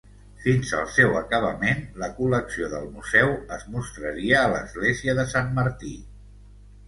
Fins al seu acabament, la col·lecció del museu es mostraria a l'església de Sant Martí.